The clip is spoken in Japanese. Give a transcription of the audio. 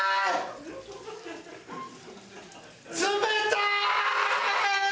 冷たーい！